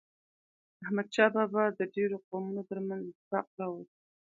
احمد شاه بابا د ډیرو قومونو ترمنځ اتفاق راوست.